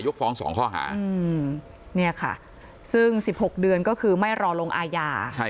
ยกฟ้อง๒ข้อหาซึ่ง๑๖เดือนก็คือไม่รอลงอาญา